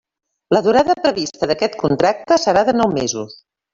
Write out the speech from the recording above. La durada prevista d'aquest contracte serà de nou mesos.